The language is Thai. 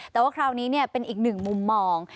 แต่ว่าคราวนี้เป็นอีกหนึ่งมุมมอง